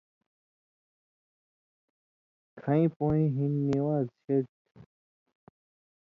کھَیں پُیں ہِن نِوان٘ز شریۡ تھُو۔